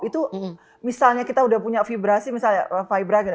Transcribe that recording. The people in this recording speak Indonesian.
itu misalnya kita udah punya vibrasi misalnya vibra gitu